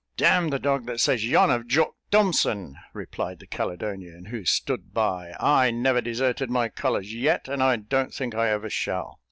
"D n the dog that says yon of Jock Thompson," replied the Caledonian, who stood by. "I never deserted my colours yet, and I don't think I ever shall.